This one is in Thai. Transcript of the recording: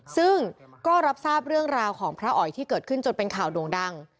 ซึ่งก็รับทราบเรื่องราวของพระอ๋อยที่เกิดขึ้นจนเป็นข่าวโด่งดัง